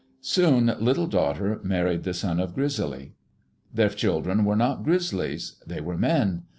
Soon Little Daughter married the son of Grizzly. Their children were not Grizzlies. They were men.